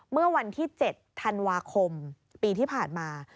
เมื่อวันที่๗ธันวาคมปีที่ผ่านมา